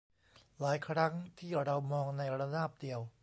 หลายครั้งที่เรามองในระนาบเดียว